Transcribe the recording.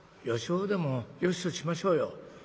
よしほうでもよしとしましょうよ。